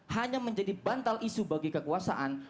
hanya menjadi bantal isu bagi kekuasaan